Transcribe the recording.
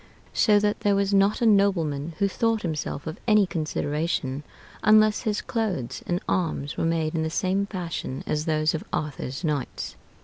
So that there was not a nobleman who thought himself of any consideration unless his clothes and arms were made in the same fashion as those of Arthur's knights.